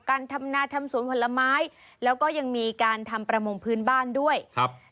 ทำนาทำสวนผลไม้แล้วก็ยังมีการทำประมงพื้นบ้านด้วยครับ